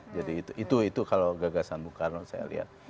jadi itu itu kalau gagasan bung karno saya lihat